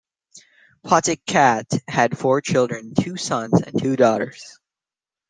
Pottekkatt had four children- two sons and two daughters.